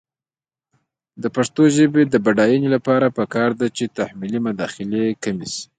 د پښتو ژبې د بډاینې لپاره پکار ده چې تحمیلي مداخلې کمې شي.